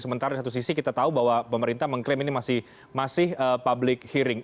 sementara di satu sisi kita tahu bahwa pemerintah mengklaim ini masih public hearing